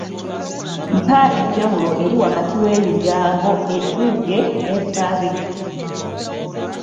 Mpa enjawulo eri wakati w'ebigambo eddugge n'ebbabe.